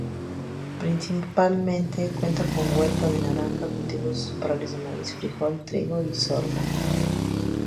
Principalmente cuenta con huerta de naranja, cultivos temporales de maíz, frijol, trigo y sorgo.